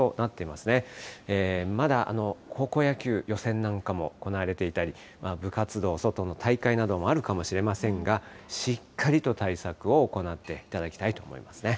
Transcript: まだ高校野球予選なんかも行われていたり、部活動、外の大会などもあるかもしれませんが、しっかりと対策を行っていただきたいと思いますね。